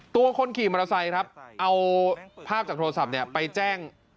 คนขี่มอเตอร์ไซค์ครับเอาภาพจากโทรศัพท์ไปแจ้ง